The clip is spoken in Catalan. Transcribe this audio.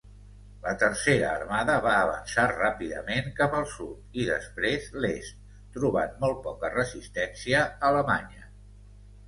La Tercera armada va avançar ràpidament cap al sud i després l"est, trobant molt poca resistència alemanya.